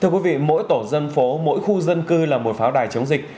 thưa quý vị mỗi tổ dân phố mỗi khu dân cư là một pháo đài chống dịch